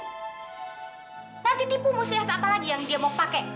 nanti tipu musyah apa lagi yang dia mau pakai